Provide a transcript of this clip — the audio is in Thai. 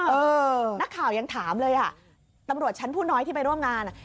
เออนักข่าวยังถามเลยอ่ะตำรวจชั้นผู้น้อยที่ไปร่วมงานอ่ะ